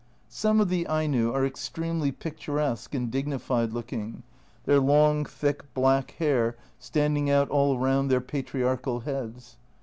Some of the Aino are extremely picturesque and dignified looking, their long, thick, black hair stand ing out all round their patriarchal heads.